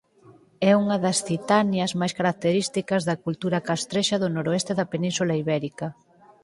É unha das citanias máis características da Cultura castrexa do noroeste da Península Ibérica.